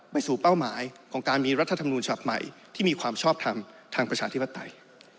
ไปสู่เป้าหมายของการมีรัฐธรรมนูญฉบับใหม่ที่มีความชอบทำทางประชาธิปไตย